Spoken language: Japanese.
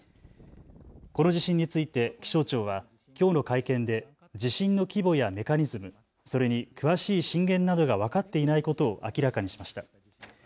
この地震について気象庁はきょうの会見で地震の規模やメカニズム、それに詳しい震源などが分かっていないことを明らかにしました。